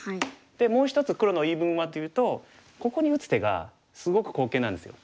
でもう一つ黒の言い分はというとここに打つ手がすごく好形なんですよ。